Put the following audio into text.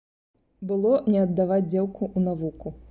Было не аддаваць дзеўку ў навуку.